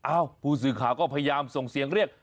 ผู้สื่อข่าวก็พยายามส่งเสียงเรียก